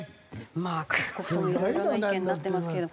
まあ各国ともいろいろな意見になってますけれども。